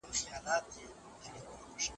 ځوان له سپي څخه بېحده په عذاب سو